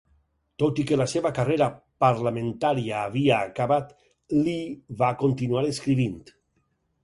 Tot i que la seva carrera parlamentària havia acabat, Lee va continuar escrivint.